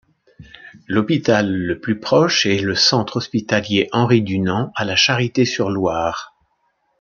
L'hôpital le plus proche est le centre hospitalier Henri-Dunant à La Charité-sur-Loire.